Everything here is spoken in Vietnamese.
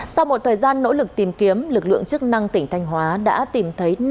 sau một thời gian nỗ lực tìm kiếm lực lượng chức năng tỉnh thanh hóa đã tìm thấy